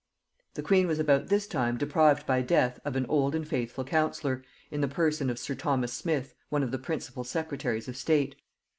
] The queen was about this time deprived by death of an old and faithful counsellor, in the person of sir Thomas Smith one of the principal secretaries of state.